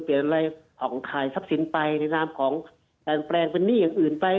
อะไรของขายทรัพย์สินไปในนามของการแปลงเป็นหนี้อย่างอื่นไป